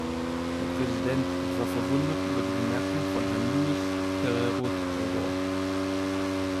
Herr Präsident, ich war verwundert über die Bemerkungen von Herrn Luis Herrero-Tejedor.